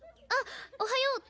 あっおはよ。